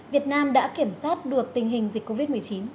việt nam đã kiểm soát được tình hình dịch covid một mươi chín